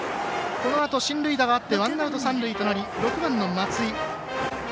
このあと進塁打があってワンアウト、三塁となり６番の松井。